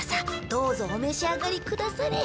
どうぞお召し上がりくだされ。